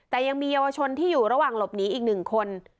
แต่ยังมีเยาวชนที่อยู่ระหว่างหลบหนีอีก๑คน